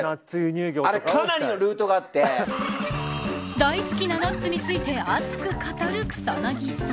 大好きなナッツについて熱く語る草なぎさん。